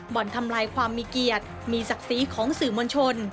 บ่อนทำลายความมีเกียรติมีศักดิ์ศรีของสื่อมวลชน